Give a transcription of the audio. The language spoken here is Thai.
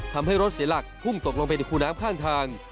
ทำให้รถเสียหลักพุ่งตกลงไปในคูน้ำข้างทาง